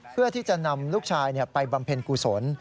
เพื่อที่จะนำลูกชายไปบำเพ็ญกุศล